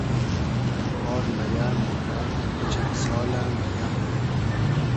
بار مئیۂ مۉرۂ , ای چئن سالۂ مئگئم